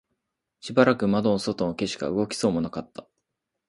しばらく窓の外の景色は動きそうもなかった